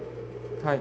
はい。